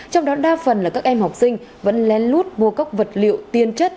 trong đó đa phần là các em học sinh vẫn len lút mua các vật liệu tiên chất